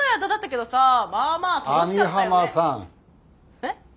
えっ？